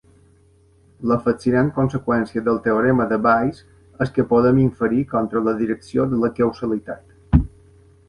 La fascinant conseqüència del teorema de Bayes és que podem inferir contra la direcció de la causalitat.